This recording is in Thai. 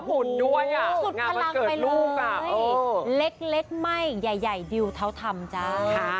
สุดพลังไปลูกอ่ะเล็กไหม้ใหญ่ดิวเท้าทำจ้า